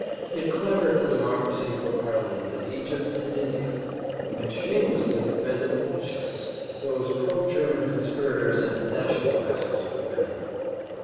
It clamored for democracy for Ireland and Egypt and India, and shamelessly defended the Bolsheviki, those pro German conspirators and nationalizers of women.